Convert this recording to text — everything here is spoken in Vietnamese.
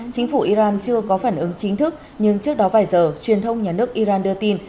chính phủ iran chưa có phản ứng chính thức nhưng trước đó vài giờ truyền thông nhà nước iran đưa tin